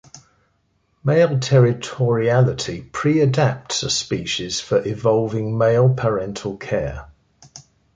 Male territoriality "preadapts" a species for evolving male parental care.